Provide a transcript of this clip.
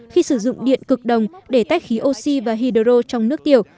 khi sử dụng điện cực đồng để tách khí oxy và hydrodynamic